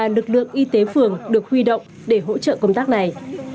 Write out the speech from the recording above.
lực lượng y tế phường được huy động để hỗ trợ công tác này